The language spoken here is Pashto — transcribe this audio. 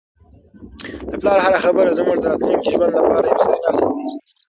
د پلار هره خبره زموږ د راتلونکي ژوند لپاره یو زرین اصل دی.